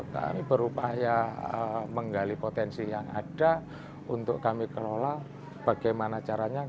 kami berupaya menggali potensi yang ada untuk kami kelola bagaimana caranya